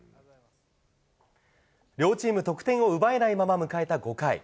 両チーム得点を奪えないまま迎えた５回。